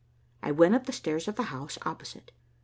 I went up the stairs of the house opposite.